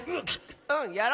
うんやろう！